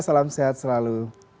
salam sehat selalu